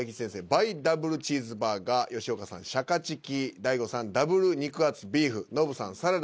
「倍ダブルチーズバーガー」吉岡さん「シャカチキ」大悟さん「ダブル肉厚ビーフ」ノブさん「サラダ」